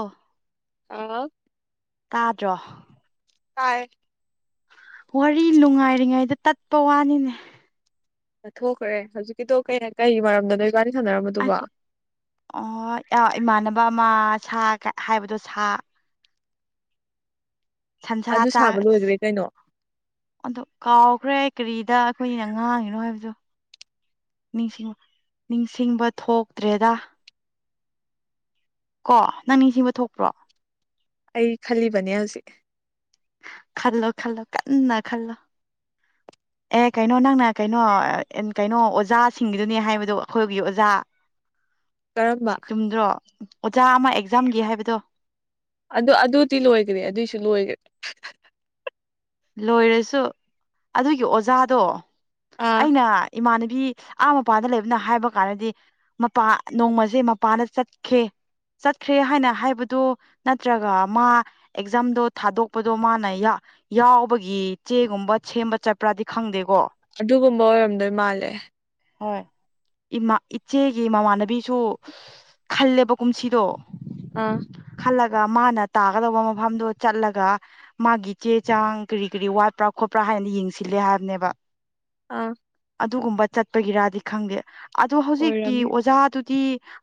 ꯑ ꯑ ꯇꯥꯗ꯭ꯔꯣ ꯀꯥꯏ ꯋꯥꯔꯤ ꯅꯨꯡꯉꯥꯏꯔꯤꯉꯩꯗ ꯇꯠꯄ ꯋꯥꯅꯤꯅꯦ ꯠ ꯊꯣꯛꯣꯛꯈ꯭ꯔꯦ ꯍꯧꯖꯤꯛꯀꯤꯗꯣ ꯀꯩ ꯀꯩ ꯃꯔꯝꯗꯅꯣꯏ ꯑꯈꯣ ꯑ ꯑ ꯏꯃ ꯕꯃꯥ ꯁꯥ ꯍꯥꯏꯕꯗꯣ ꯁꯥ ꯁꯟꯁꯥ ꯑꯗꯨ ꯆ ꯁꯥꯕ ꯂꯣꯏꯈ꯭ꯔꯦ ꯀꯩꯅꯣ ꯑꯗꯨ ꯀꯥꯎꯈ꯭ꯔꯦ ꯀꯔꯤꯗ ꯑꯩꯈꯣꯏꯅꯤꯅ ꯉꯥꯡꯉꯤꯅꯣ ꯍꯥꯏꯕꯗꯨ ꯅꯤꯡꯁꯤꯡꯕ ꯅꯤꯡꯁꯤꯡꯕ ꯊꯣꯛꯇ꯭ꯔꯦꯗ ꯀꯣ ꯅꯪ ꯅꯤꯡꯁꯤꯡꯕ ꯊꯣꯛꯄ꯭ꯔꯣ ꯑꯩ ꯈꯜꯂꯤꯕꯅꯦ ꯍꯧꯖꯤꯛ ꯈꯜꯂꯣ ꯈꯜꯣ ꯀꯥꯟꯅ ꯈꯂꯣ ꯑꯦ ꯀꯩꯅꯣ ꯅꯪꯅ ꯀꯩꯅꯣ ꯀꯩꯅꯣ ꯑꯣꯖꯥꯁꯤꯡꯒꯤꯗꯨꯅꯦ ꯍꯥꯏꯕꯗꯣ ꯑꯩꯈꯣꯏꯒꯤ ꯑꯣꯖꯥ ꯀꯔꯝꯕ ꯆꯨꯝꯗ꯭ꯔꯣ ꯑꯣꯖꯥ ꯑꯃ ꯑꯦꯛꯖꯥꯝꯒꯤ ꯍꯥꯏꯕꯗꯣ ꯑꯗꯨ ꯑꯗꯨꯗꯤ ꯂꯣꯏꯈ꯭ꯔꯦ ꯑꯗꯨꯏꯁꯨ ꯂꯣꯏꯈ꯭ꯔꯦ ꯂꯣꯏꯔꯁꯨ ꯑꯗꯨꯒꯤ ꯑꯣꯖꯥꯗꯣ ꯑꯥ ꯑꯩꯅ ꯏꯃꯥꯅ ꯐꯤ ꯑꯥ ꯃꯄꯥꯟꯗ ꯂꯩꯕꯅ ꯍꯥꯏꯕ ꯀꯥꯟꯗꯗꯤ ꯃꯄꯥ ꯅꯣꯡꯃꯁꯦ ꯃꯄꯥꯟꯗ ꯆꯠꯈꯤꯦ ꯆꯠꯈ꯭ꯔꯦ ꯍꯥꯏꯅ ꯍꯥꯏꯕꯗꯣ ꯅꯠꯇ꯭ꯔꯒ ꯃꯥ ꯑꯦꯛꯖꯥꯝꯗꯣ ꯊꯥꯗꯣꯛꯄꯗꯣ ꯃꯥꯅ ꯌꯥꯎꯕꯒꯤ ꯆꯦꯒꯨꯝꯕ ꯁꯦꯝꯕ ꯆꯠꯄ꯭ꯔꯥꯗꯤ ꯈꯪꯗꯦꯀꯣ ꯑꯗꯨꯒꯨꯝꯕ ꯑꯣꯏꯔꯝꯗꯣꯏ ꯃꯥꯜꯂꯦ ꯍꯣꯏ ꯏꯃꯥ ꯏꯆꯦꯒꯤ ꯃꯃꯥꯟꯅꯕꯤꯁꯨ ꯈꯜꯂꯦꯕ ꯀꯨꯝꯁꯤꯗꯣ ꯑꯥ ꯈꯜꯂꯒ ꯃꯥꯅ ꯇꯥꯒꯗꯧꯕ ꯃꯐꯝꯗꯣ ꯆꯠꯂꯒ ꯃꯥꯒꯤ ꯆꯦ ꯆꯥꯡ ꯀꯔꯤ ꯀꯔꯤ ꯋꯥꯠꯄ꯭ꯔꯥ ꯈꯣꯠꯄ꯭ꯔꯥ ꯍꯥꯏꯅ ꯌꯦꯡꯁꯤꯜꯂꯦ ꯍꯥꯏꯕꯅꯦꯕ ꯑꯥ ꯑꯗꯨꯒꯨꯝꯕ ꯆꯠꯄꯒꯤꯔꯗꯤ ꯈꯪꯗꯦ ꯑꯗꯣ ꯍꯧꯖꯤꯛꯀꯤ ꯑꯣꯏꯔꯝꯅꯤ ꯑꯣꯖꯥꯗꯨꯗꯤ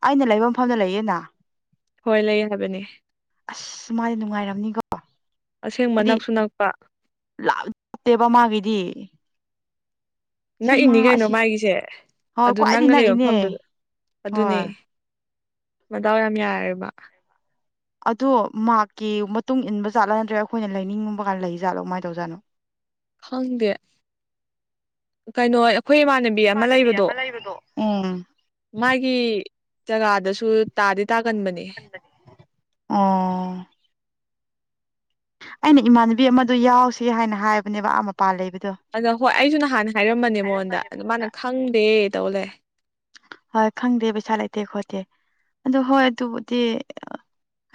ꯑꯩꯅ ꯂꯩꯐꯝ ꯃꯐꯝꯗ ꯂꯩꯌꯦꯅ ꯍꯣꯏ ꯂꯩ ꯍꯥꯏꯕꯅꯤ ꯑꯁ ꯃꯥꯗꯤ ꯅꯨꯡꯉꯥꯏꯔꯝꯅꯤꯀꯣ ꯑꯁꯦꯡꯕ ꯍꯥꯏꯗꯤ ꯅꯛꯁꯨ ꯅꯛꯄ ꯂ ꯂꯞꯇꯦꯕ ꯃꯥꯒꯤꯗꯤ ꯁꯤ ꯅꯛꯏꯅꯤ ꯃꯥ ꯀꯩꯅꯣ ꯑꯁꯤ ꯃꯥꯒꯤꯁꯦ ꯍꯣꯏ ꯑꯗꯨ ꯈ꯭ꯋꯥꯏꯗꯒꯤ ꯅꯪꯅ ꯂꯩꯕ ꯅꯛꯏꯅꯦ ꯃꯐꯝꯗꯨꯗ ꯑꯗꯨꯅꯦ ꯍꯣꯏ ꯃꯇꯗꯥꯎ ꯌꯥꯝ ꯌꯥꯔꯦꯕ ꯑꯗꯣ ꯃꯥꯔꯀꯤ ꯃꯇꯨꯡ ꯏꯟꯕꯖꯥꯠꯂꯥ ꯅꯗ꯭ꯔꯦ ꯑꯩꯈꯣꯏꯅ ꯂꯩꯅꯤꯡꯉꯕ ꯀꯥꯟ ꯂꯩ ꯖꯥꯠꯂꯣ ꯀꯃꯥꯏꯅ ꯇꯧꯖꯥꯠꯅꯣ ꯈꯪꯗꯦ ꯀꯩꯅꯣ ꯑꯩꯈꯣꯏ ꯏꯃꯥꯟꯅꯕꯤ ꯑꯃ ꯂꯩꯕꯗꯣ ꯎꯝ ꯃꯥꯒꯤ ꯖꯒꯥꯗꯁꯨ ꯇꯥꯗꯤ ꯇꯥꯒꯟꯕꯅꯦ ꯑꯣ ꯑꯩꯅ ꯏꯃꯥꯟꯅꯕꯤ ꯑꯃꯗ ꯌꯥꯎꯁꯤ ꯍꯥꯏꯅ ꯍꯥꯏꯕꯅꯦꯕ ꯑꯥ ꯃꯄꯥ ꯂꯩꯕꯗ ꯑꯗꯣ ꯍꯣꯏ ꯑꯩꯁꯨ ꯅꯍꯥꯟ ꯍꯥꯏꯔꯝꯕꯅꯦ ꯃꯉꯣꯟꯗ ꯑꯗꯨ ꯃꯥꯅ ꯈꯪꯗꯦ ꯇꯧ ꯂꯩꯦ ꯍꯣꯏ ꯈꯪꯗꯦ ꯄꯩꯁꯥ ꯂꯩꯇꯦ ꯈꯣꯠꯇꯦ ꯑꯗꯨꯣ ꯍꯣꯏ ꯑꯗꯨꯕꯨꯗꯤ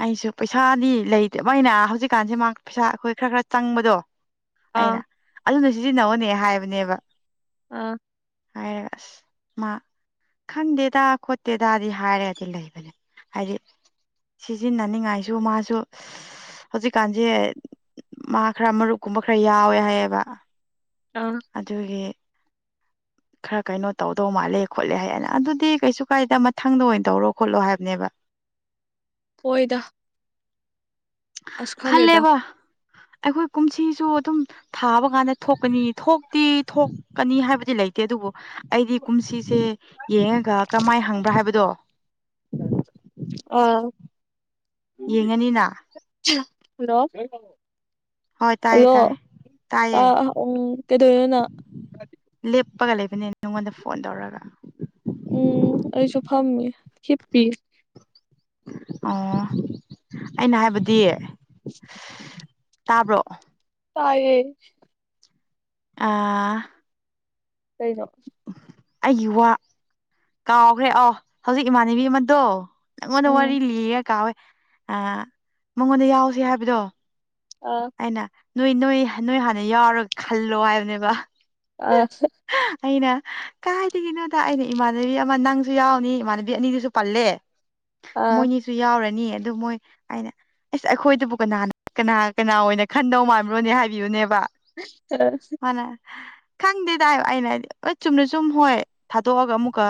ꯑꯩꯁꯨ ꯄꯩꯁꯥꯗꯤ ꯂꯩꯇꯦꯕ ꯑꯩꯅ ꯍꯧꯖꯤꯛꯀꯥꯟꯁꯦ ꯃꯥ ꯄꯩꯁꯥ ꯑꯩꯈꯣꯏ ꯈꯔ ꯈꯔ ꯆꯪꯕꯗꯣ ꯑꯥ ꯑꯩꯅ ꯑꯗꯨꯅ ꯁꯤꯖꯤꯟꯅꯧꯅꯦ ꯍꯥꯏꯕꯅꯦꯕ ꯑꯥ ꯍꯥꯏꯔꯒꯁ ꯃꯥ ꯈꯪꯗꯦꯗ ꯈꯣꯠꯇꯦꯗꯗꯤ ꯍꯥꯏꯔꯒꯗꯤ ꯂꯩꯕꯅꯦ ꯍꯥꯏꯗꯤ ꯁꯤꯖꯤꯟꯅꯅꯤꯡꯉꯥꯏꯁꯨ ꯃꯥꯁꯨ ꯍꯧꯖꯤꯛꯀꯥꯟꯁꯦ ꯃꯥ ꯈꯔ ꯃꯔꯨꯞꯀꯨꯝꯕ ꯈꯔ ꯌꯥꯎꯋꯦ ꯍꯥꯏꯌꯦꯕ ꯑꯥ ꯑꯗꯨꯒꯤ ꯈꯔ ꯀꯩꯅꯣ ꯇꯧꯗꯧ ꯃꯥꯜꯂꯦ ꯈꯣꯠꯂꯦ ꯍꯥꯏꯌꯦꯅ ꯑꯗꯨꯗꯤ ꯀꯩꯁꯨ ꯀꯥꯏꯗ ꯃꯊꯪꯗ ꯑꯣꯏꯅ ꯇꯧꯔꯣ ꯈꯣꯠꯂꯣ ꯍꯥꯏꯕꯅꯦꯕ [inaudible] ꯑꯣꯏꯣꯏꯗ ꯑꯁ ꯈꯪꯦꯗ ꯈꯜꯂꯦꯕ ꯑꯩꯈꯣꯏ ꯀꯨꯝꯁꯤꯁꯨ ꯑꯗꯨꯝ ꯊꯥꯕ ꯀꯥꯟꯗ ꯊꯣꯛꯀꯅꯤ ꯊꯣꯛꯇꯤ ꯊꯣꯛꯀꯅꯤ ꯍꯥꯏꯕꯗꯤ ꯂꯩ ꯂꯩꯇꯦ ꯑꯗꯨꯕꯨ ꯑꯩꯗꯤ ꯀꯨꯝꯁꯤ ꯁꯦ ꯌꯦꯡꯉꯒ ꯀꯔꯝꯍꯥꯏꯅ ꯍꯪꯕ꯭ꯔꯥ ꯍꯥꯏꯕꯗꯣ ꯑꯥ ꯌꯦꯡꯉꯅꯤꯅ ꯍꯜꯂꯣ ꯍꯣꯏ ꯇꯥꯏꯌꯦ ꯍꯜꯂꯣ ꯇꯥꯏꯌꯦ ꯇꯥꯏꯌꯦ ꯎ ꯀꯩꯗꯧꯅꯣꯅ ꯀꯞꯄꯒ ꯂꯩꯕꯅꯦ ꯅꯉꯣꯟꯗ ꯐꯣꯟ ꯇꯧꯔꯒ ꯎꯝ ꯑꯩꯁꯨ ꯐꯝꯃꯤ ꯍꯈꯤꯞꯄꯤ ꯑꯣ ꯑꯩꯅ ꯍꯥꯏꯕꯗꯤ [inaudible] ꯇꯥꯕ꯭ꯔꯣ ꯇꯥꯏꯌꯦ ꯑꯥ ꯀꯩꯒ ꯑꯩꯒꯤ ꯋꯥ ꯀꯥꯎꯈ꯭ꯔꯦ ꯑꯣ ꯍꯧꯖꯤꯛ ꯏꯃꯥꯟꯅꯕꯤ ꯑꯃꯗꯣ ꯅꯪꯉꯣꯟꯗ ꯎꯝ ꯋꯥꯔꯤ ꯂꯤꯒ ꯀꯥꯎꯋꯦ ꯃꯉꯣꯟꯗ ꯌꯥꯎꯁ ꯍꯥꯏꯕꯗꯣ ꯑꯥ ꯑꯩꯅ ꯅꯣꯏ ꯅꯣꯏ ꯅꯣꯏ ꯍꯥꯟꯅ ꯌꯥꯎꯔꯒ ꯈꯜꯂꯣ ꯍꯥꯏꯕꯅꯦꯕ ꯑ ꯑꯩꯅ ꯀꯥꯏꯗꯒꯤꯗꯒꯤꯅꯣꯗ ꯑꯩꯅ ꯏꯃꯥꯟꯅꯕꯤ ꯑꯃ ꯅꯪꯁꯨ ꯌꯥꯎꯅꯤ ꯏꯃꯥꯟꯅꯕꯤ ꯑꯅꯤꯗꯨꯁꯨ ꯄꯜꯂꯦ ꯑꯥ ꯃꯣꯏꯅꯤꯁꯨ ꯌꯥꯎꯔꯅꯤ ꯑꯗꯨ ꯃꯣꯏ ꯍꯥꯏꯅ ꯑꯁ ꯑꯩꯈꯣꯏꯗꯕꯨ ꯀꯅꯥꯅ ꯀꯅꯥ ꯀꯅꯥ ꯑꯣꯏꯅ ꯈꯟꯗꯧ ꯃꯥꯟꯕꯂꯣꯅꯦ ꯍꯥꯏꯕꯤꯌꯨꯅꯦꯕ ꯑ ꯈꯪꯗꯦ ꯇꯥꯏꯕ ꯑꯩꯅ ꯍꯥꯏꯗꯤ ꯍ ꯆꯨꯝꯅ ꯆꯨꯝ ꯍꯣꯏ ꯊꯥꯗꯣꯛꯑꯒ ꯑꯃꯨꯛꯀ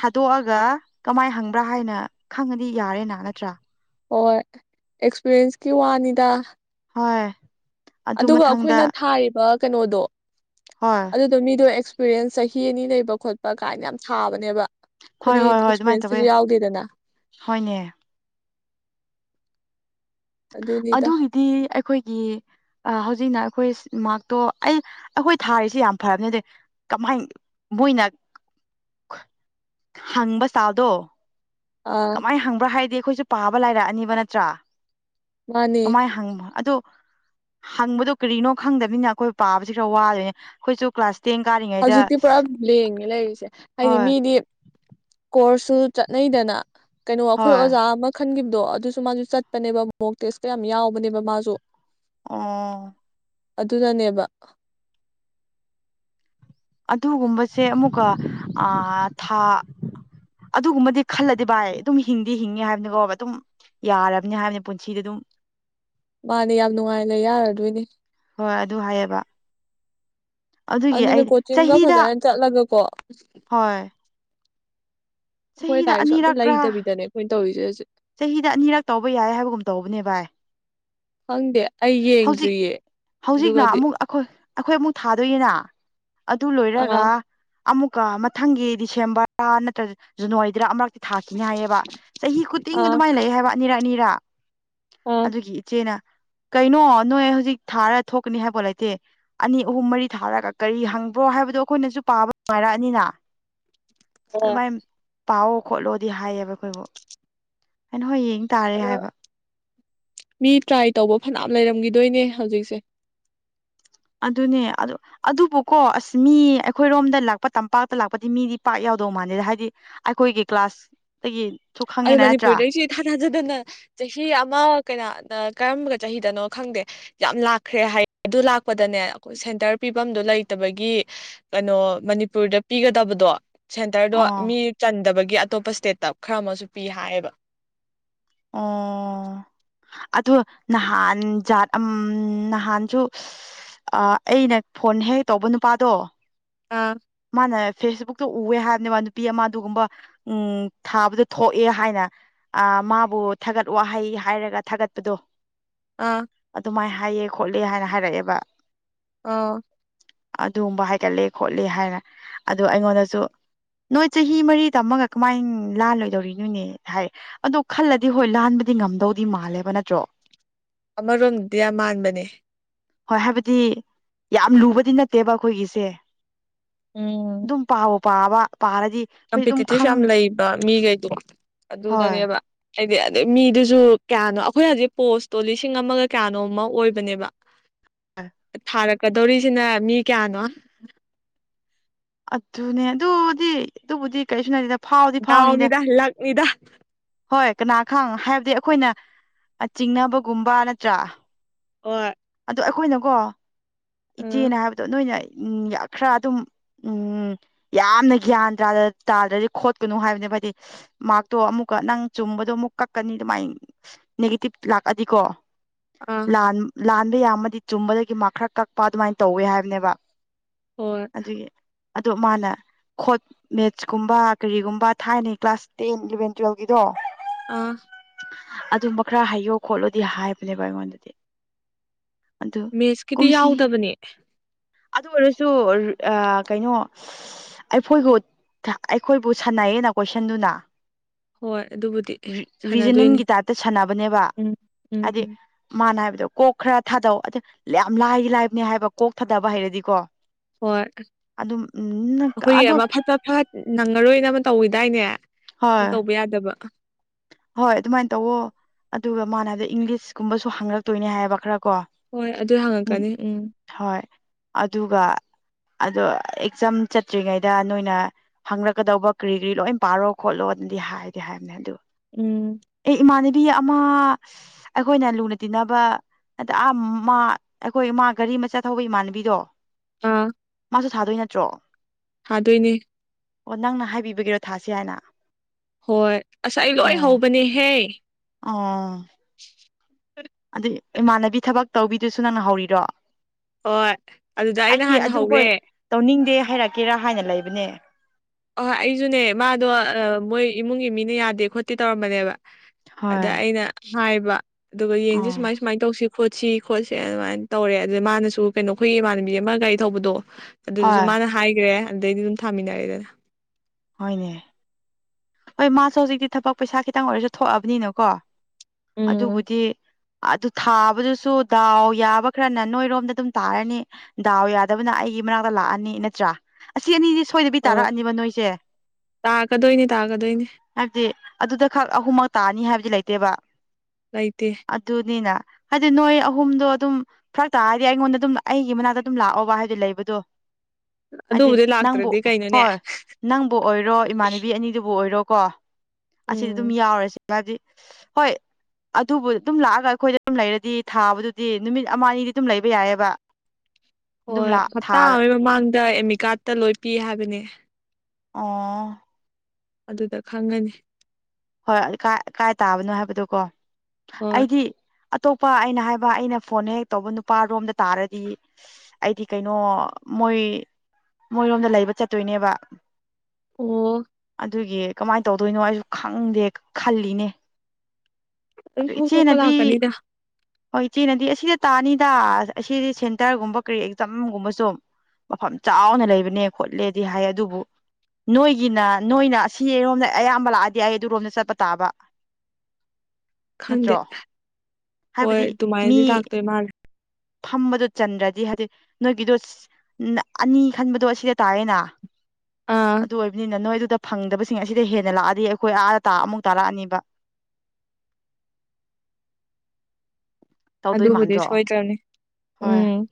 ꯊꯥꯗꯣꯛꯑꯒ ꯀꯃꯥꯏ ꯍꯪꯕ꯭ꯔꯥ ꯍꯥꯏꯅ ꯈꯪꯉꯗꯤ ꯌꯥꯔꯦꯅ ꯅꯠꯇ꯭ꯔꯥ ꯍꯣꯏ ꯑꯦꯛꯁꯄꯤꯔꯤꯟꯁꯀꯤ ꯋꯥꯅꯤꯗ ꯍꯣꯏ ꯑꯗꯨ ꯑꯗꯨꯒ ꯃꯊꯪꯗ ꯑꯩꯈꯣꯏꯅ ꯊꯥꯔꯤꯕ ꯀꯩꯅꯣꯗꯣ ꯍꯣꯏ ꯑꯗꯨꯗꯣ ꯃꯤꯗꯣ ꯑꯦ ꯑꯦꯛꯁꯄꯤꯔꯤꯌꯦꯟꯁ ꯆꯍꯤ ꯑꯅꯤ ꯂꯩꯕ ꯈꯣꯠꯄ ꯀꯥꯏꯅ ꯌꯥꯝ ꯊꯥꯕꯅꯦꯕ ꯍꯣꯏ ꯑꯩꯈꯣꯏꯗꯤ ꯍꯣꯏ ꯍꯣꯏ ꯑꯗꯨꯃꯥꯏꯅ ꯇꯧꯋꯦ ꯑꯦꯛꯁꯄꯤꯔꯌꯦꯦꯟꯁꯀꯤꯁꯨ ꯌꯥꯎꯗꯦꯗꯅ ꯍꯣꯏꯅꯦ ꯑꯗꯨꯅꯤꯗ ꯑꯗꯨꯒꯤꯗꯤ ꯑꯩꯈꯣꯏꯒꯤ ꯍꯧꯖꯤꯛꯅ ꯑꯩꯈꯣꯏ ꯃꯥꯥꯛꯇꯣ ꯑꯩ ꯑꯩꯈꯣꯏ ꯊꯥꯔꯤꯁꯦ ꯌꯥꯝ ꯐꯕꯅꯦꯗꯤ ꯀꯃꯥꯏ ꯃꯣꯏꯅ ꯍꯪꯕ ꯁ꯭ꯇꯥꯏꯜꯗꯣ ꯑꯥ ꯀꯃꯥꯏꯅ ꯍꯪꯕ꯭ꯔꯥ ꯍꯥꯏꯗꯤ ꯑꯩꯈꯣꯏꯁꯨ ꯄꯥꯕ ꯂꯥꯏꯔꯛꯑꯅꯤꯕ ꯅꯠꯇ꯭ꯔꯥ ꯃꯥꯅꯦ ꯀꯃꯥꯏ ꯍꯪꯕ ꯑꯗꯣ ꯍꯪꯕꯗꯨ ꯀꯔꯤꯅꯣ ꯈꯪꯗꯅꯤꯅ ꯑꯩꯈꯣꯏ ꯄꯥꯕꯁꯤ ꯈꯔ ꯋꯥꯗꯣꯏꯅꯦ ꯑꯈꯣꯏꯁꯨ ꯀ꯭ꯂꯥꯁ ꯇꯦꯟ ꯀꯥꯔꯤꯉꯩꯗ ꯍꯧꯖꯤꯛꯇꯤ ꯄꯨꯔꯥ ꯕ꯭ꯂꯦꯡꯅꯦ ꯂꯩꯔꯤꯁꯦ ꯍꯥꯏꯗꯤ ꯍꯣꯏ ꯃꯤꯗꯤ ꯀꯣꯔꯁꯁꯨ ꯆꯠꯅꯩꯗꯅ ꯀꯩꯅꯣ ꯑꯈꯣꯏ ꯍꯣꯏ ꯑꯣꯖꯥ ꯑꯃ ꯈꯟꯈꯤꯕꯗꯣ ꯑꯗꯨꯁꯨ ꯃꯥꯁꯨ ꯆꯠꯄꯅꯦꯕ ꯃꯣꯛ ꯇꯦꯁꯀ ꯌꯥꯝ ꯌꯥꯎꯕꯅꯦꯕ ꯃꯥꯁꯨ ꯑꯣ ꯑꯗꯨꯅꯅꯦꯕ ꯑꯗꯨꯒꯨꯝꯕꯁꯦ ꯑꯃꯨꯛꯀ ꯑꯥ ꯊꯥ ꯑꯗꯨꯒꯨꯝꯕꯗꯤ ꯈꯜꯂꯗꯤ ꯚꯥꯏ ꯑꯗꯨꯝ ꯍꯤꯡꯗꯤ ꯍꯤꯡꯉꯤ ꯍꯥꯏꯕꯅꯤꯀꯣ ꯑꯗꯨꯝ ꯌꯥꯔꯕꯅꯤ ꯍꯥꯏꯕꯅꯦ ꯄꯨꯟꯁꯤꯗꯤ ꯑꯗꯨꯝ ꯃꯥꯅꯦ ꯌꯥꯝ ꯅꯨꯡꯉꯥꯏ ꯂꯩ ꯌꯥꯔꯗꯣꯏꯅꯤ ꯍꯣꯏ ꯑꯗꯨ ꯍꯥꯏꯌꯦꯕ ꯑꯗꯨꯒꯤ ꯑꯗꯨꯅ ꯑꯩ ꯀꯣꯆꯤꯡꯒ ꯆꯍꯤꯗ ꯐꯖꯅ ꯆꯠꯂꯒ ꯀꯣ ꯍꯣꯏ ꯑꯈꯣꯏ ꯆꯍꯤꯗ ꯂꯥꯏꯔꯤꯛꯁꯨ ꯑꯝꯇ ꯑꯅꯤꯔꯛꯔꯥ ꯂꯩꯇꯕꯤꯗꯅꯦ ꯑꯈꯣꯏꯅ ꯇꯧꯔꯤꯁꯦ ꯍꯧꯖꯤꯛ ꯆꯍꯤꯗ ꯑꯅꯤꯔꯛ ꯇꯧꯕ ꯌꯥꯏ ꯍꯥꯏꯕꯒꯨꯝ ꯇꯧꯕꯅꯦ ꯚꯥꯏ ꯈꯪꯗꯦ ꯑꯩ ꯍꯧꯖꯤꯛ ꯌꯦꯡꯗ꯭ꯔꯤꯌꯦ ꯍꯧꯖꯤꯛꯅ ꯑꯗꯨꯒꯗꯤ ꯑꯃꯨꯛ ꯑꯈꯣꯏ ꯑꯩꯈꯣꯏ ꯑꯃꯨꯛ ꯊꯥꯗꯣꯏꯅꯤꯅ ꯑꯗꯨ ꯂꯣꯏꯔꯒ ꯑꯥ ꯑꯃꯨꯛꯀ ꯃꯊꯪꯒꯤ ꯗꯤꯁꯦꯝꯕꯔꯗ ꯅꯠꯇ꯭ꯔ ꯖꯟꯅꯋꯥꯔꯤꯗ ꯑꯃ ꯊꯥꯈꯤꯅꯤ ꯍꯥꯏꯌꯦꯕ ꯆꯍꯤ ꯈꯨꯗꯤꯡ ꯑꯥ ꯑꯗꯨꯃꯥꯏꯅ ꯂꯩ ꯍꯥꯏꯕ ꯑꯅꯤꯔꯛ ꯑꯅꯤꯔꯥ ꯑꯥ ꯑꯗꯨꯒꯤ ꯏꯆꯦꯅ ꯀꯩꯅꯣ ꯅꯣꯏ ꯍꯧꯖꯤꯛ ꯊꯥꯔ ꯊꯣꯛꯀꯅꯤ ꯍꯥꯏꯕ ꯂꯩꯇꯦ ꯑꯅꯤ ꯑꯍꯨꯝ ꯃꯔꯤ ꯊꯥꯔꯒ ꯀꯔꯤ ꯍꯪꯕ꯭ꯔꯣ ꯍꯥꯏꯕ ꯑꯗꯣ ꯑꯈꯣꯏꯅꯁꯨ ꯄꯥꯕ ꯅꯨꯡꯉꯥꯏꯔꯛꯑꯅꯤꯅ ꯍꯣꯏ ꯑꯗꯨꯃꯥꯏꯅ ꯄꯥꯋꯣ ꯈꯣꯠꯂꯣꯗꯤ ꯍꯥꯏꯌꯦꯕ ꯑꯈꯣꯏꯕꯨ ꯑꯩꯅ ꯍꯣꯏ ꯌꯦꯡ ꯇꯥꯔꯦ ꯑꯗꯣ ꯍꯥꯏꯕ ꯃꯤ ꯇ꯭ꯔꯥꯏ ꯇꯧꯕ ꯐꯅꯌꯥꯝ ꯂꯩꯔꯝꯒꯤꯗꯣꯏꯅꯦ ꯍꯧꯖꯤꯛꯁꯦ ꯑꯗꯨꯅꯦ ꯑꯗꯨ ꯑꯗꯨꯕꯨꯀꯣ ꯑꯁ ꯃꯤ ꯑꯩꯈꯣꯏꯔꯣꯝꯗ ꯂꯥꯛꯄ ꯇꯝꯄꯥꯛꯇ ꯂꯥꯛꯄꯗꯤ ꯃꯤꯗꯤ ꯄꯥꯛ ꯌꯥꯎ ꯇꯧꯗꯧ ꯃꯥꯟꯗꯦꯗ ꯍꯥꯏꯗꯤ ꯑꯈꯣꯏꯒꯤ ꯀ꯭ꯂꯥꯁꯇꯒꯤ ꯑꯗꯨꯗ ꯃꯅꯤꯄꯨꯔꯗꯩꯁꯤ ꯏꯊꯥ ꯊꯥꯖ ꯑꯗꯨꯅ ꯆꯍꯤ ꯑꯃ ꯀꯩꯅ ꯀꯔꯝꯕ ꯆꯍꯤꯗꯅꯣ ꯈꯪꯗꯦ ꯌꯥꯝ ꯂꯥꯛꯈ꯭ꯔꯦ ꯍꯥꯏ ꯑꯗꯨ ꯂꯥꯛꯄꯗꯅꯦ ꯑꯈꯣꯏ ꯁꯦꯟꯇꯔ ꯄꯤꯕꯝꯗꯨ ꯂꯩꯇꯕꯒꯤ ꯀꯩꯅꯣ ꯃꯅꯤꯄꯨꯔꯗ ꯄꯤꯒꯗꯕꯗꯣ ꯁꯦꯟꯇꯔꯗꯣ ꯑꯣ ꯃꯤ ꯆꯟꯗꯕꯒꯤ ꯑꯇꯣꯞꯄ ꯏꯁꯇꯦꯠꯇ ꯈꯔ ꯑꯃꯁꯨ ꯄꯤ ꯍꯥꯏꯌꯦꯕ ꯑꯣ ꯑꯗꯣ ꯅꯍꯥꯟꯖꯥꯠ ꯎꯝ ꯅꯍꯥꯟꯁꯨ ꯑ ꯑꯩꯅ ꯐꯣꯟ ꯍꯦꯛ ꯇꯧꯕ ꯅꯨꯄꯥꯗꯣ ꯑꯥ ꯃꯥꯅ ꯐꯦꯁꯕꯨꯛꯇ ꯎꯋꯦ ꯍꯥꯏꯕꯅꯦꯕ ꯅꯨꯄꯤ ꯑꯃ ꯑꯗꯨꯒꯨꯝꯕ ꯎꯝ ꯊꯥꯕꯗ ꯊꯣꯛꯑꯦ ꯍꯥꯏꯅ ꯑ ꯃꯥꯕꯨ ꯊꯥꯒꯠ ꯋꯥꯍꯩ ꯍꯥꯏꯔꯒ ꯊꯥꯒꯠꯄꯗꯣ ꯑꯥ ꯑꯗꯨꯃꯥꯏꯅ ꯍꯥꯏꯌꯦ ꯈꯣꯠꯂꯦ ꯍꯥꯏꯅ ꯍꯥꯏꯔꯛꯑꯦꯕ ꯑꯣ ꯑꯗꯨꯒꯨꯝꯕ ꯍꯥꯏꯒꯠꯂꯦ ꯈꯣꯠꯂꯦ ꯍꯥꯏꯅ ꯑꯗꯨ ꯑꯩꯉꯣꯟꯗꯁꯨ ꯅꯣꯏ ꯆꯍꯤ ꯃꯔꯤ ꯇꯝꯃꯒ ꯀꯃꯥꯏꯅ ꯂꯥꯜꯂꯣꯏꯗꯧꯔꯤꯅꯣꯅꯦ ꯍꯥꯏ ꯑꯗꯣ ꯈꯜꯂꯗꯤ ꯍꯣꯏ ꯂꯥꯟꯕ ꯗꯤ ꯉꯝꯗꯧꯗꯤ ꯃꯥꯜꯂꯦꯕ ꯅꯠꯇ꯭ꯔꯣ ꯑꯃꯔꯣꯝꯗꯗꯤ ꯌꯥꯝ ꯃꯥꯟꯕꯅꯦ ꯍꯣꯏ ꯍꯥꯏꯕꯗꯤ ꯌꯥꯝ ꯂꯨꯕꯗꯤ ꯅꯠꯇꯦꯕ ꯑꯈꯣꯏꯒꯤꯁꯦ ꯎꯝ ꯑꯗꯨꯝ ꯄꯥꯕꯨ ꯄꯥꯔꯕ ꯀꯝꯄꯤꯇꯤꯇꯤꯞ ꯌꯥꯝ ꯂꯩꯕ ꯃꯤꯒꯩꯗꯣ ꯍꯣꯏ ꯑꯗꯨꯅꯅꯦꯕ ꯍꯥꯏꯗꯤ ꯑꯗꯩ ꯃꯤꯗꯨꯁꯨ ꯀꯌꯥꯅꯣ ꯑꯈꯣꯏ ꯍꯧꯖꯤꯛ ꯄꯣꯁꯇꯣ ꯂꯤꯁꯤꯡ ꯑꯃꯒ ꯀꯌꯥꯅꯣ ꯑꯃ ꯑꯣꯏꯕꯅꯦꯕ ꯑ ꯊꯥꯔꯛꯀꯗꯧꯔꯤꯁꯤꯅ ꯃꯤ ꯀꯌꯥꯅꯣ ꯑꯗꯨꯠꯇꯅꯦ ꯑꯗꯨꯗꯤ ꯑꯗꯨꯕꯨꯗꯤ ꯀꯩꯁꯅꯗ ꯎꯃꯤꯗꯥꯂꯛ ꯃꯤꯗꯥ ꯍꯣꯏ ꯀꯅꯥ ꯈꯪ ꯍꯥꯏꯕꯗꯤ ꯑꯩꯈꯣꯏꯅ ꯆꯤꯡꯅꯕꯒꯨꯝꯕ ꯅꯠꯇ꯭ꯔꯥ ꯑꯣ ꯑ ꯑꯩꯈꯣꯏꯅꯀꯣ ꯏꯆꯦꯅ ꯍꯥꯏꯕꯗꯣ ꯅꯣꯏꯅ ꯈꯔ ꯑꯗꯨꯝ ꯎꯝ ꯌꯥꯝꯅ ꯒ꯭ꯌꯥꯟ ꯇꯥꯗ꯭ꯔꯗꯤ ꯈꯣꯠꯀꯅꯨ ꯍꯥꯏꯕꯅꯦ ꯍꯥꯏꯗꯤ ꯃꯍꯥꯛꯇꯣ ꯑꯃꯨꯛꯀ ꯅꯪ ꯆꯨꯝ ꯗꯣ ꯑꯃꯨꯛ ꯀꯛꯀꯅꯤ ꯑꯗꯨꯃꯥꯏ ꯅꯦꯦꯇꯤꯞ ꯂꯥꯛꯑꯗꯤꯀꯣ ꯑꯥ ꯂꯥꯟꯕ ꯌꯥꯝꯃꯗꯤ ꯆꯨꯝꯕꯗꯒꯤ ꯃꯥ ꯈꯔ ꯀꯛꯄ ꯑꯗꯨꯃꯥꯏꯅ ꯇꯧꯋꯦ ꯍꯥꯏꯕꯅꯦꯕ ꯍꯣꯏ ꯑꯗꯨꯒꯤ ꯑꯗꯣ ꯃꯥꯅ ꯈꯣꯠ ꯃꯦꯠꯁ ꯀꯨꯝꯕ ꯀꯔꯤꯒꯨꯝꯕ ꯊꯥꯏꯅꯩ ꯀ꯭ꯂꯥꯁ ꯇꯦꯟ ꯏꯂꯚꯦꯟ ꯇꯨꯋꯦꯜꯚꯒꯤꯗꯣ ꯑꯥ ꯑꯗꯨꯝꯕ ꯈꯔ ꯍꯥꯏꯩꯌꯣ ꯈꯣꯠꯂꯣꯗꯤ ꯍꯥꯏꯕꯅꯦꯕ ꯑꯩꯉꯣꯟꯗꯗꯤ ꯑꯗꯨ ꯃꯤꯦꯠꯁꯀꯤꯗꯤ ꯀꯨꯝꯁꯤ ꯌꯥꯎꯗꯕꯅꯦ ꯑꯗꯨ ꯑꯣꯏꯔꯁꯨ ꯀꯩꯅꯣ ꯑꯩꯈꯣꯏꯕꯨ ꯑꯩꯈꯣꯏꯕꯨ ꯁꯥꯟꯅꯩꯌꯦꯅ ꯀꯣꯏꯁꯟꯗꯨꯅ ꯍꯣꯏ ꯑꯗꯨꯕꯨꯗꯤ ꯁꯥꯟꯅꯗꯣꯏꯅꯤ ꯔꯤꯖꯅꯤꯡꯒꯤ ꯇꯥꯏꯞꯇ ꯁꯥꯟꯅꯕꯅꯦꯕ ꯎꯝ ꯎꯝ ꯍꯥꯏꯗꯤ ꯎꯝ ꯃꯥꯅ ꯍꯥꯏꯕ ꯑꯣ ꯀꯣꯛ ꯈꯔ ꯊꯥꯗꯧ ꯑꯗ ꯌꯥꯝ ꯂꯥꯏꯒꯤ ꯂꯥꯏꯕꯅꯦ ꯍꯥꯏꯕ ꯀꯣꯛ ꯊꯥꯗꯕ ꯍꯩꯔꯗꯤꯀꯣ ꯍꯣꯏ ꯑꯗꯨꯝ ꯎꯝ ꯑꯩꯈꯣꯏꯒꯤ ꯑꯗꯨ ꯑꯃ ꯐꯖ ꯐ ꯅꯪꯉꯔꯣꯏꯅ ꯑꯃ ꯇꯧꯋꯤꯗꯥꯏꯅꯦ ꯑꯗꯨ ꯍꯣꯏ ꯇꯧꯕ ꯌꯥꯗꯕ ꯍꯣꯏ ꯑꯗꯨꯃꯥꯏꯅ ꯇꯧꯋꯣ ꯑꯗꯨꯒ ꯃꯥꯥꯟꯅꯗ ꯏꯪꯂꯤꯁꯀꯨꯝꯕꯁꯨ ꯍꯥꯡꯂꯛꯇꯣꯏꯅꯦ ꯍꯥꯏꯕ ꯈꯔ ꯀꯣ ꯍꯣꯏ ꯑꯗꯨ ꯎꯝ ꯍꯪꯉꯛꯀꯅꯤ ꯍꯣꯏ ꯑꯗꯨꯒ ꯑꯗꯣ ꯑꯦꯛꯖꯥꯝ ꯆꯠꯇ꯭ꯔꯤꯉꯩꯗ ꯅꯣꯏꯅ ꯍꯪꯪꯂꯛꯀꯗꯧꯕ ꯀꯔꯤ ꯀꯔꯤ ꯂꯣꯏ ꯄꯥꯔꯣ ꯈꯣꯠꯂꯣ ꯝꯗꯤ ꯍꯥꯏꯗꯤ ꯍꯥꯏꯔꯝꯃꯦ ꯑꯗꯨ ꯎꯝ ꯕꯤ ꯑꯃ ꯑꯩꯈꯣꯏꯅ ꯂꯨꯅ ꯇꯤꯟꯅꯕ ꯑꯗ ꯑꯥ ꯃꯥ ꯑꯩꯈꯣꯏ ꯃꯥ ꯒꯥꯔꯤ ꯑꯃ ꯆꯠꯊꯧꯕ ꯏꯃꯥꯟꯅꯕꯤꯗꯣ ꯑꯥ ꯃꯥꯨ ꯊꯥꯗꯣꯏ ꯅꯠꯇ꯭ꯔꯣ ꯍꯥꯗꯣꯏꯅꯦ ꯑꯣ ꯅꯪꯅ ꯍꯥꯏꯕꯤꯕꯒꯤꯔꯣ ꯊꯥꯁꯤ ꯍꯥꯏꯅ ꯍꯣꯏ ꯉꯁꯥꯏ ꯂꯣꯏ ꯑꯣ ꯍꯧꯕꯅꯦꯍꯦ ꯑꯣ ꯑꯗꯨ ꯏꯃꯥꯟꯅꯕꯤ ꯊꯕꯛ ꯇꯧꯕꯤꯗꯨꯁꯨ ꯅꯪꯅ ꯍꯧꯔꯤꯔꯣ ꯍꯣꯏ ꯑꯗꯨꯗ ꯑꯩꯅ ꯑꯩꯗꯤ ꯍꯥꯟꯅ ꯑꯗꯨ ꯍꯣꯏ ꯍꯧꯔꯦ ꯇꯧꯅꯤꯡꯗꯦ ꯍꯥꯏꯔꯛꯀꯦꯔꯥ ꯍꯥꯏꯅ ꯂꯩꯕꯅꯦ ꯑꯍꯣꯏ ꯑꯩꯁꯨꯅꯦ ꯃꯥꯗꯣ ꯃꯣꯏ ꯏꯃꯨꯡꯒꯤ ꯃꯤꯅ ꯌꯥꯗꯦ ꯈꯣꯠꯇꯦ ꯇꯧꯔꯝꯕꯅꯦꯕ ꯍꯣꯏ ꯑꯗ ꯑꯩꯅ ꯍꯥꯏꯕ ꯑꯗꯨꯒ ꯌꯦꯡꯁꯤꯦ ꯑꯥ ꯁꯨꯃꯥꯏ ꯁꯨꯃꯥꯏꯅ ꯇꯧꯁꯤ ꯈꯣꯠꯁꯤ ꯈꯣꯠꯁꯤ ꯑꯗꯨꯃꯥꯏꯅ ꯇꯧꯔꯦ ꯑꯗꯨꯗ ꯃꯥꯅꯁꯨ ꯀꯩꯅꯣ ꯑꯩꯈꯣꯏꯒꯤ ꯏꯃꯥꯟꯅꯕꯤ ꯑꯃ ꯒꯥꯔꯤ ꯊꯧꯕꯗꯣ ꯑꯗꯨꯗꯨꯁꯨ ꯍꯣꯏ ꯃꯥꯅ ꯍꯥꯏꯈ꯭ꯔꯦ ꯑꯗꯨꯗꯩꯗꯤ ꯑꯗꯨꯝ ꯊꯥꯃꯤꯟꯅꯔꯦꯗꯅ ꯍꯣꯏꯅꯦ ꯍꯣꯏ ꯃꯥꯁꯨ ꯍꯧꯖꯤꯛꯇꯤ ꯊꯕꯛ ꯄꯩꯁꯥ ꯈꯤꯇꯪ ꯑꯣꯏꯔꯁꯨ ꯊꯣꯛꯑꯕꯅꯤꯅꯀꯣ ꯎꯝ ꯑꯗꯨꯕꯨꯗꯤ ꯑꯗꯨ ꯊꯥꯕꯗꯨꯁꯨ ꯗꯥꯎ ꯌꯥꯕ ꯈꯔꯅ ꯅꯣꯏꯔꯣꯝꯗ ꯑꯗꯨꯝ ꯇꯥꯔꯅꯤ ꯗꯥꯎ ꯌꯥꯗꯕꯅ ꯑꯩꯒꯤ ꯃꯅꯥꯛꯇ ꯂꯥꯛꯑꯅꯤ ꯅꯠꯇ꯭ꯔꯥ ꯑꯁꯤ ꯑꯅꯤꯗꯤ ꯁꯣꯏꯗꯕꯤ ꯍꯣꯏ ꯇꯥꯔꯛꯑꯅꯤꯕ ꯅꯣꯏꯁꯦ ꯇꯥꯛꯀꯗꯣꯏꯅꯤ ꯇꯥꯛꯀꯗꯣꯏꯅꯤ ꯍꯥꯏꯕꯗꯤ ꯑꯗꯨꯗ ꯈꯛ ꯑꯍꯨꯝꯃꯛ ꯇꯥꯅꯤ ꯍꯥꯏꯕꯗꯤ ꯂꯩ ꯀꯇꯦꯕ ꯂꯩꯇꯦ ꯑꯗꯨꯅꯤꯅ ꯍꯥꯏꯗꯤ ꯅꯣꯏ ꯑꯍꯨꯝꯗꯣ ꯑꯗꯨꯝ ꯐꯔꯛ ꯇꯥꯔꯗꯤ ꯑꯩꯉꯣꯟꯗ ꯑꯗꯨꯝ ꯑꯩꯒꯤ ꯃꯅꯥꯛꯇ ꯑꯗꯨꯝ ꯂꯥꯛꯑꯣꯕ ꯍꯥꯏꯗꯤꯣ ꯂꯩꯕꯗꯣ ꯍꯥꯏꯗꯤ ꯑꯗꯨꯕꯨꯗꯤ ꯅꯪꯕꯨ ꯂꯥꯛꯇ꯭ꯔꯗꯤ ꯀꯩꯅꯣꯅꯦ ꯍꯣꯏ ꯅꯪ ꯑꯣꯏꯔꯣ ꯏꯃꯥꯟꯅꯕꯤ ꯑꯅꯤꯗꯨꯕꯨ ꯑꯣꯏꯔꯣ ꯀꯣ ꯑꯁꯤꯗꯤ ꯑꯗꯨꯝ ꯎꯝ ꯌꯥꯎꯔ ꯃꯥꯗꯤ ꯍꯣꯏ ꯑꯗꯨꯕꯨ ꯑꯗꯨꯝ ꯂꯥꯛꯑꯒ ꯑꯩꯈꯣꯏꯗ ꯑꯗꯨꯝ ꯂꯩꯔꯗꯤ ꯊꯥꯕꯗꯨꯗꯤ ꯅꯨꯃꯤꯠ ꯑꯃꯅꯤꯗꯤ ꯑꯗꯨꯝ ꯂꯩꯕ ꯌꯥꯏꯑꯕ ꯑꯗꯨꯝ ꯍꯣꯏ ꯂꯥꯛ ꯍꯞꯇꯥ ꯊꯥꯔ ꯑꯃꯒꯤ ꯃꯃꯥꯡꯗ ꯑꯃꯤ ꯀꯥꯔꯠꯇ ꯂꯣꯏ ꯄꯤ ꯍꯥꯏꯕꯅꯦ ꯑꯥ ꯑꯗꯨꯗ ꯈꯪꯉꯅꯤ ꯍꯣꯏ ꯀꯥꯏ ꯇꯥꯕꯅꯣ ꯍꯥꯏꯕꯗꯣ ꯀꯣ ꯍꯣꯏ ꯑꯩꯗꯤ ꯑꯇꯣꯞꯄ ꯑꯩꯅ ꯍꯥꯏꯕ ꯑꯩꯅ ꯐꯣꯟ ꯍꯦꯛ ꯇꯧꯕ ꯅꯨꯄꯥꯔꯣꯝꯗ ꯇꯥꯔꯗꯤ ꯑꯩꯗꯤ ꯀꯩꯅꯣ ꯃꯣꯏ ꯃꯣꯏꯔꯣꯝꯗ ꯂꯩꯕ ꯆꯠꯇꯣꯏꯅꯦꯕ ꯑꯣ ꯑꯗꯨꯒꯤ ꯀꯃꯥꯏꯅ ꯇꯧꯗꯣꯏꯅꯣ ꯑꯩꯁꯨ ꯈꯪꯗꯦ ꯈꯜꯂꯤꯅꯦ ꯑꯗꯨ ꯊꯣꯛ ꯊꯣꯛꯄ ꯂꯥꯛꯀꯅꯤꯗ ꯍꯣꯏ ꯏꯆꯦꯅꯗꯤ ꯑꯁꯤꯗ ꯇꯥꯅꯤꯗ ꯑꯁꯤꯗꯤ ꯁꯦꯟꯇꯔꯒꯨꯝꯕ ꯀꯔꯤ ꯑꯦꯛꯖꯥꯝꯒꯨꯝꯕꯁꯨ ꯃꯐꯝ ꯆꯥꯎꯅ ꯂꯩꯕꯅꯦ ꯈꯣꯠꯂꯦꯗꯤ ꯍꯥꯏ ꯑꯗꯨꯕꯨ ꯅꯣꯏꯒꯤꯅ ꯅꯣꯏꯅ ꯑꯁꯤꯔꯣꯝꯗ ꯑꯌꯥꯝꯕ ꯂꯥꯛꯑꯗꯤ ꯑꯩ ꯑꯗꯨꯔꯣꯝꯗ ꯆꯠꯄ ꯇꯥꯕ ꯈꯪꯗꯦ ꯅꯠꯇ꯭ꯔꯣ ꯍꯣꯏ ꯍꯥꯏꯕꯗꯤ ꯃꯤ ꯑꯗꯨꯃꯥꯏꯅꯗꯤ ꯂꯥꯛꯇꯣꯏ ꯃꯥꯜꯂꯦ ꯐꯝꯕꯗꯣ ꯆꯟꯗ꯭ꯔꯗꯤ ꯍꯥꯏꯗꯤ ꯅꯣꯏꯒꯤꯗꯣ ꯑꯅꯤ ꯈꯟꯕꯗꯣ ꯑꯁꯤꯗ ꯇꯥꯔꯦꯅ ꯑꯥ ꯑꯗꯨ ꯑꯣꯏꯕꯅꯤ ꯅ ꯅꯣꯏ ꯑꯗꯨꯗ ꯐꯪꯗꯕꯁꯤꯡ ꯑꯁꯤꯗ ꯍꯦꯟꯅ ꯂꯥꯛꯑꯗꯤ ꯑꯩꯈꯣꯏ ꯑꯥ ꯇ ꯑꯃꯨꯛ ꯇꯥꯔꯛꯑꯅꯤꯕ ꯇꯧꯗꯣꯏ ꯑꯗꯨꯕꯨꯗꯤ ꯃꯥꯟꯗ꯭ꯔꯣ ꯁꯣꯏꯗ꯭ꯔꯕꯅꯤ ꯍꯣꯏ ꯎꯝ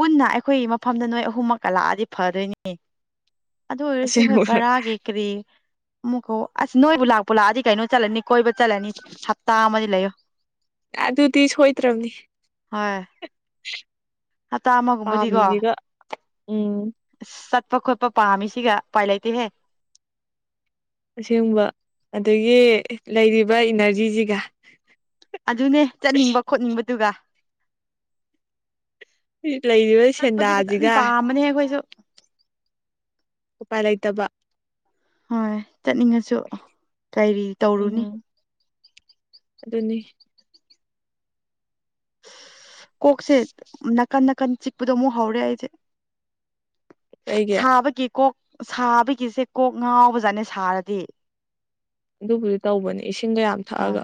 ꯄꯨꯟꯅ ꯑꯩꯈꯣꯏ ꯃꯐꯝꯗ ꯅꯣꯏ ꯑꯍꯨꯝꯃꯛ ꯀꯂꯛꯑꯗꯤ ꯐꯗꯣꯏꯅꯤ ꯑꯗꯨ ꯑꯣꯏꯔꯁꯨ ꯍꯣꯏ ꯑꯁꯦꯡꯕ ꯕꯔꯥꯒꯤ ꯀꯔꯤ ꯑꯃꯨꯛꯀꯣ ꯑꯁ ꯅꯣꯏꯕꯨ ꯂꯥꯛꯄ ꯂꯥꯛꯑꯗꯤ ꯀꯩꯅꯣ ꯆꯠꯂꯅꯤ ꯀꯣꯏꯕ ꯆꯠꯂꯅꯤ ꯍꯞꯇꯥ ꯑꯃꯗꯤ ꯂꯩꯌꯣ ꯑꯗꯨꯗꯤ ꯁꯣꯏꯗ꯭ꯔꯕꯅꯤ ꯍꯣꯏ ꯍꯞꯇꯥ ꯑꯃꯒꯨꯝꯕꯗꯤꯀꯣ ꯄꯥꯝꯃꯤꯁꯤꯒ ꯎꯝ ꯆꯠꯄ ꯈꯣꯠꯄ ꯄꯥꯝꯃꯤꯁꯤꯒ ꯎꯄꯥꯏ ꯂꯩꯇꯦꯍꯦ ꯑꯁꯤꯒꯨꯝꯕ ꯑꯗꯒꯤ ꯂꯩꯔꯤꯕ ꯏꯅꯔꯖꯤꯁꯤꯒ ꯑꯗꯨꯅꯦ ꯆꯠꯅꯤꯡꯕ ꯈꯣꯠꯅꯤꯡꯕꯗꯨꯒ ꯂꯩꯔꯤꯕ ꯆꯠꯄꯗꯤ ꯐꯖꯅ ꯁꯦꯟꯗꯥꯁꯤꯒ ꯄꯥꯝꯕꯅꯦ ꯑꯩꯈꯣꯏꯁꯨ ꯎꯄꯥꯏ ꯂꯩꯇꯕ ꯍꯣꯏ ꯆꯠꯅꯤꯡꯉꯁꯨ ꯀꯔꯤꯔꯤ ꯇꯧꯔꯨꯅꯤ ꯎꯝ ꯑꯗꯨꯅꯤ ꯀꯣꯛꯁꯦ ꯅꯥꯀꯟ ꯅꯥꯀꯟ ꯆꯤꯛꯄꯗꯣ ꯑꯃꯨꯛ ꯍꯧꯔꯦ ꯑꯩꯁꯦ ꯑꯩꯒꯤ ꯁꯥꯕꯒꯤ ꯀꯣꯛ ꯁꯥꯕꯒꯤꯁꯦ ꯀꯣꯛ ꯉꯥꯎꯕꯖꯠꯅꯦ ꯁꯥꯔꯗꯤ ꯑꯗꯨꯕꯨꯗꯤ ꯇꯧꯕꯅꯦ ꯏꯁꯤꯡ ꯀꯌꯥꯝ ꯍꯣꯏ ꯊꯛꯑꯒ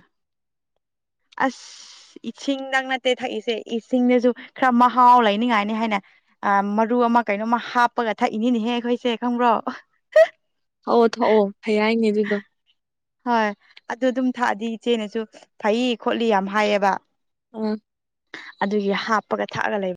ꯑꯁ ꯏꯁꯤꯡꯗꯪ ꯅꯠꯇꯦ ꯊꯛꯏꯁꯦ ꯏꯁꯤꯡꯗꯁꯨ ꯈꯔ ꯃꯍꯥꯎ ꯂꯩꯅꯤꯡꯉꯥꯏꯅꯤ ꯍꯥꯏꯅ ꯑ ꯃꯔꯨ ꯑꯃ ꯀꯩꯅꯣꯝꯃ ꯍꯥꯞꯄꯒ ꯊꯛꯏꯅꯤꯅꯦꯍꯦ ꯑꯩꯈꯣꯏꯁꯦ ꯈꯪꯕ꯭ꯔꯣ ꯑꯣꯑꯣ ꯊꯣꯛꯑꯣ ꯐꯩ ꯍꯥꯏꯅꯦ ꯑꯗꯨꯗꯣ ꯍꯣꯏ ꯑꯗꯨ ꯑꯗꯨꯝ ꯊꯥꯛꯑꯗꯤ ꯏꯆꯦꯅꯁꯨ ꯐꯩ ꯈꯣꯠꯂꯤ ꯌꯥꯝ ꯍꯥꯏꯌꯦꯕ ꯑ ꯑꯗꯨꯒꯤ ꯍꯥꯞꯄꯒ ꯊꯛꯑꯒ ꯂꯩꯕ